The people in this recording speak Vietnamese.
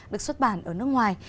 được xuất bản ở nước ngoài